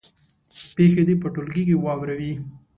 پېښې دې په ټولګي کې واوروي.